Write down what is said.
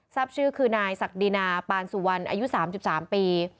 ทรัพย์ชื่อคือนายสักดินาปานสุวรรณอายุสามจุดสามปี